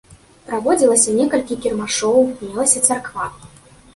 Праводзілася некалькі кірмашоў, мелася царква.